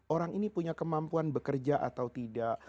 orang ini punya kemampuan bekerja atau tidak